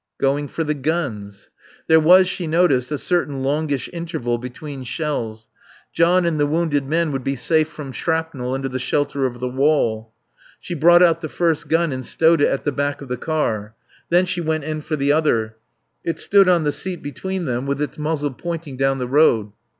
"Going for the guns." There was, she noticed, a certain longish interval between shells. John and the wounded men would be safe from shrapnel under the shelter of the wall. She brought out the first gun and stowed it at the back of the car. Then she went in for the other. It stood on the seat between them with its muzzle pointing down the road.